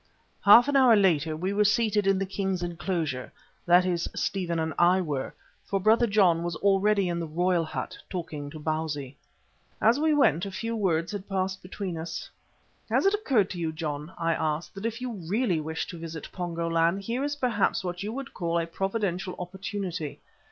Half an hour later we were seated in the king's enclosure, that is, Stephen and I were, for Brother John was already in the royal hut, talking to Bausi. As we went a few words had passed between us. "Has it occurred to you, John," I asked, "that if you really wish to visit Pongo land here is perhaps what you would call a providential opportunity.